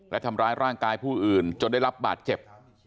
และทำร้ายร่างกายผู้อื่นจนได้รับบาดเจ็บ